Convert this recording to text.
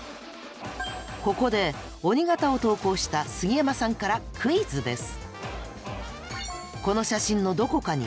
ここで鬼形を投稿した杉山さんからクイズです。